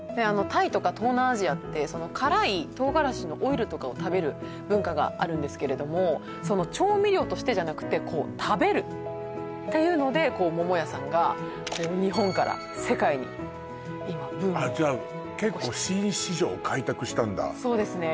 タイとか東南アジアって辛い唐辛子のオイルとかを食べる文化があるんですけれどもその調味料としてじゃなくてこう食べるっていうので桃屋さんが日本から世界に今ブームをじゃあ結構新市場開拓したんだそうですね